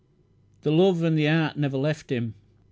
The love and the art never left him.